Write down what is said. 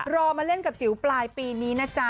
รอมาเล่นกับจิ๋วปลายปีนี้นะจ๊ะ